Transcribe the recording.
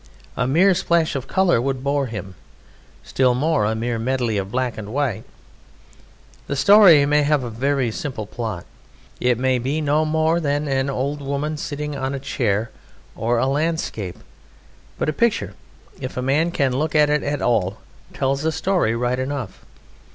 A mere splash of colour would bore him; still more a mere medley of black and white. The story may have a very simple plot; it may be no more than an old woman sitting on a chair, or a landscape, but a picture, if a man can look at it all, tells a story right enough.